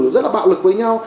rất là bạo lực với nhau